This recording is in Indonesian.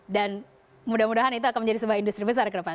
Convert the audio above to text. dan mudah mudahan itu akan menjadi sebuah industri besar ke depan